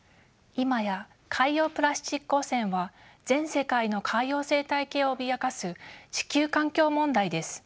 今や海洋プラスチック汚染は全世界の海洋生態系を脅かす地球環境問題です。